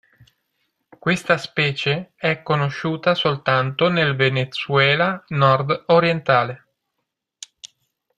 Questa specie è conosciuta soltanto nel Venezuela nord-orientale.